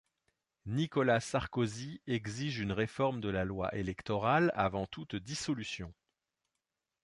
Nicolas Sarkozy exige une réforme de la loi électorale avant toute dissolution.